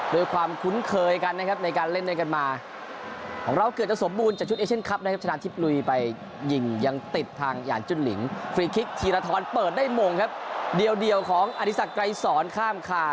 โดยความคุ้นเคยกันนะครับในการเล่นในกันมา